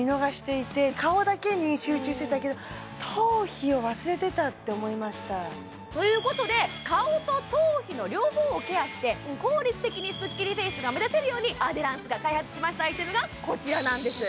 そこを私達は見逃していてって思いましたということで顔と頭皮の両方をケアして効率的にスッキリフェイスが目指せるようにアデランスが開発しましたアイテムがこちらなんです